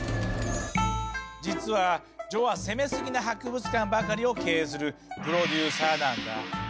実は徐は攻めすぎな博物館ばかりを経営するプロデューサーなんだ。